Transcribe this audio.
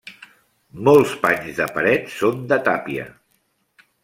Molts panys de paret són de tàpia.